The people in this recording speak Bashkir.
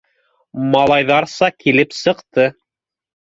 Малайҙарса килеп сыҡты